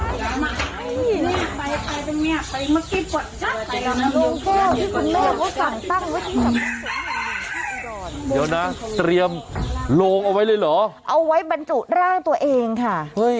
เดี๋ยวนะเตรียมโลงเอาไว้เลยเหรอเอาไว้บรรจุร่างตัวเองค่ะ